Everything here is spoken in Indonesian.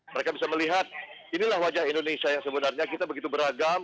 mereka bisa melihat inilah wajah indonesia yang sebenarnya kita begitu beragam